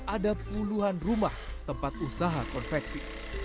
ada puluhan rumah tempat usaha konveksi